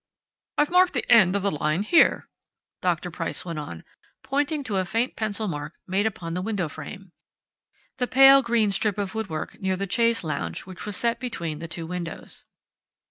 "I've marked the end of the line here," Dr. Price went on, pointing to a faint pencil mark made upon the window frame the pale green strip of woodwork near the chaise longue, which was set between the two windows.